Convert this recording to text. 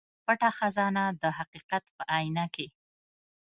پټه خزانه د حقيقت په اينه کې